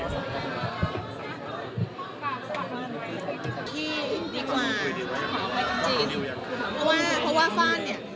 หายท่าท่าท่าอะ